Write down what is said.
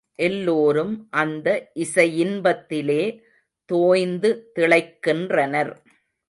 எல்லோரும் அந்த இசையின்பத்திலே தோய்ந்துதிளைக்கின்றனர்.